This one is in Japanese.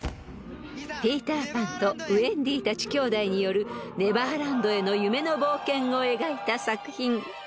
［ピーター・パンとウェンディたち兄弟によるネバーランドへの夢の冒険を描いた作品］